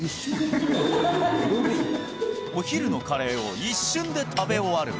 お昼のカレーを一瞬で食べ終わる？